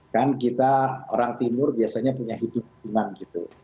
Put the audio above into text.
kan kita orang timur biasanya punya hidup ke sembilan gitu